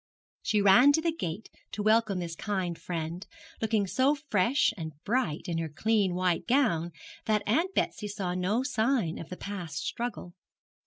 She ran to the gate to welcome that kind friend, looking so fresh and bright in her clean white gown that Aunt Betsy saw no sign of the past struggle.